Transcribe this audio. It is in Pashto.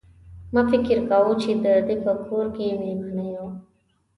ما فکر کاوه چې د ده په کور کې مېلمانه یو.